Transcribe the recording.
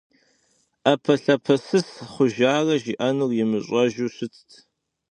Ӏэпэлъапэсыс хъуарэ жиӏэнур имыщӏэжу щытт.